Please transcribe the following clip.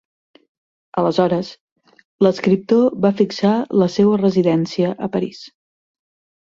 Aleshores, l'escriptor va fixar la seua residència a París.